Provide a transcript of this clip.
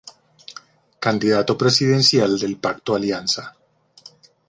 Candidato presidencial del pacto Alianza